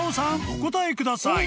お答えください］